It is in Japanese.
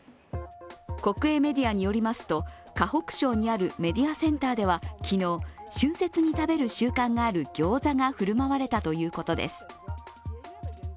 国営メディアによりますと、河北省にあるメディアセンターでは昨日春節に食べる習慣のあるギョーザがふるまわれたということです。